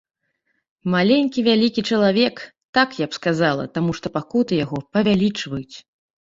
Маленькі вялікі чалавек, так я б сказала, таму што пакуты яго павялічваюць.